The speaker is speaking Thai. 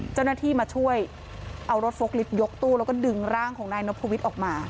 เจ้าหน้าที่มาช่วยเอารถโฟล์ลิฟต์ยกตู้แล้วก็ดึงร่างของนายนพวิทย์ออกมา